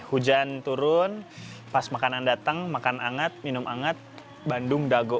hujan turun pas makanan datang makan anget minum anget bandung dago